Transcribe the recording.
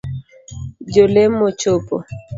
Jo lemo chopo